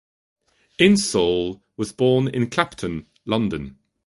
Insole was born in Clapton, London.